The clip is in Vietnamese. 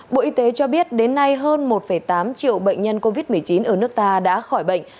bộ y tế cho biết đến nay hơn một tám triệu bệnh nhân covid một mươi chín ở nước ta đã khỏi bệnh